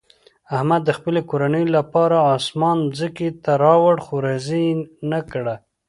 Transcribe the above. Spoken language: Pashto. احمد د خپلې کورنۍ لپاره اسمان ځمکې ته راوړ، خو راضي یې نه کړه.